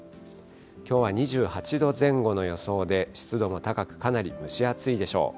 きょうは２８度前後の予想で、湿度も高く、かなり蒸し暑いでしょう。